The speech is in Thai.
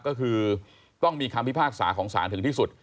ก็คือต้องมีคำพิพากษาของศาลถึงที่สุด